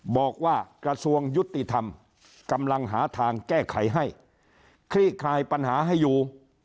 บอกว่ากระทรวงยุติธรรมกำลังหาทางแก้ไขให้คลี่คลายปัญหาให้อยู่